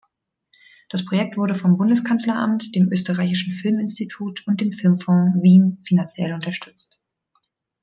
Das Projekt wurde vom Bundeskanzleramt, dem Österreichischen Filminstitut und dem Filmfonds Wien finanziell unterstützt.